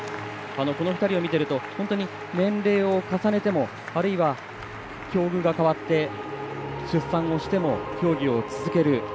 この２人を見ていると本当に年齢を重ねてもあるいは、境遇が変わって出産をしても競技を続ける。